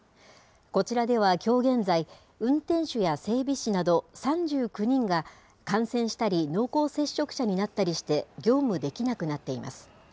こちらではきょう現在、運転手や整備士など、３９人が、感染したり、濃厚接触者になったりして、業務できなくなっています。